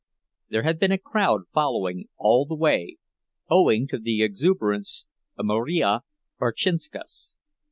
There had been a crowd following all the way, owing to the exuberance of Marija Berczynskas.